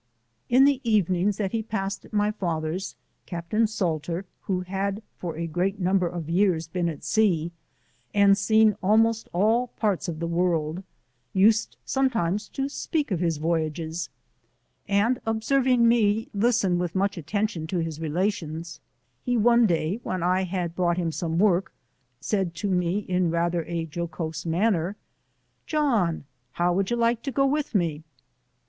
In the evenings that he passed at my father's. Captain Salter, who had for a great number of years been at sea, and seen almost all parts of the world J used sometimes to speak of his voyages, and observing me listen with much attention to his relations, he one day when I had brought him some work, said to me in rather a jocose manner, John, how should you like to go with me"?